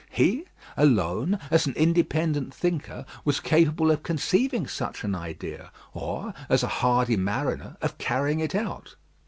He, alone, as an independent thinker, was capable of conceiving such an idea, or, as a hardy mariner, of carrying it out.